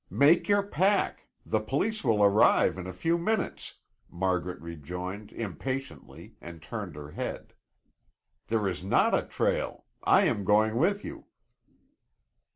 "Make your pack! The police will arrive in a few minutes," Margaret rejoined impatiently and turned her head. "There is not a trail. I am going with you."